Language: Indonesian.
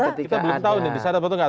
kita belum tahu bisa ada betul gak